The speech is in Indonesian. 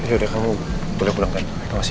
ini udah kamu boleh pulang kan